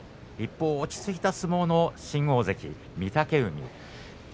一方、落ち着いた相撲の新大関御嶽海。